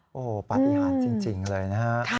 โอ้โหปฏิหารจริงเลยนะฮะ